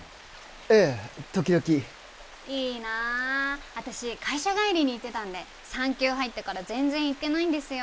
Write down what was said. ええ時々いいな私会社帰りに行ってたんで産休入ってから全然行ってないんですよ